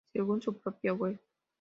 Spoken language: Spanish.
Según su propia web,